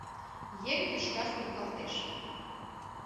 Еҥ тӱшка сургалтеш.